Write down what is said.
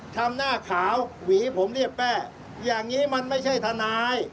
ทำหน้าขาวหวีผมเรียบแป้อย่างนี้มันไม่ใช่ทนาย